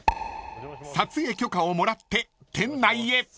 ［撮影許可をもらって店内へ］